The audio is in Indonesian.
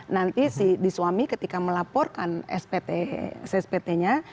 nanti si suami ketika melaporkan spt nya